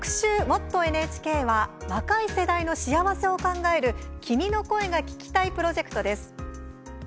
「もっとＮＨＫ」は若い世代の幸せを考える「君の声が聴きたい」プロジェクトです。